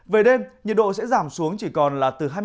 về đêm nhiệt độ sẽ giảm xuống chỉ còn là từ hai mươi bốn hai mươi sáu độ